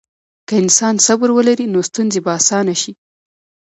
که انسان صبر ولري، نو ستونزې به اسانه شي.